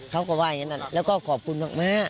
เขาก็ว่าอย่างนั้นแล้วก็ขอบคุณมาก